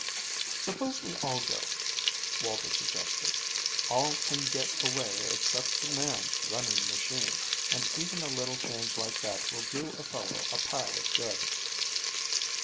"Suppose we all go," Walter suggested. "All can get away except the man running the machine, and even a little change like that will do a fellow a pile of good."